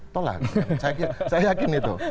tolak saya yakin itu